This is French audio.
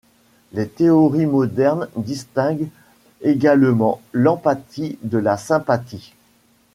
Les théories modernes distinguent également l'empathie de la sympathie.